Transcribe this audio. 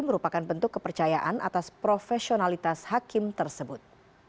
merupakan bentuk kepercayaan atas profesionalitas hakim tersebut